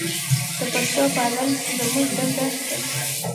د پښتو پالل زموږ دنده ده.